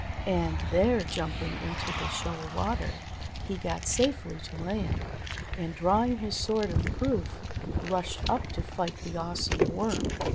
And there, jumping into the shoal water, he got safely to land, and drawing his sword of proof, rushed up to fight the awesome Worm.